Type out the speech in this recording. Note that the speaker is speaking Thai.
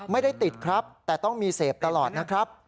ไม่ได้ติดครับแต่ต้องมีเสพตลอดนะครับ